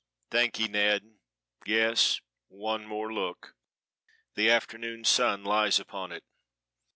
"Thank ye, Ned! Yes one more look the afternoon sun lies upon it.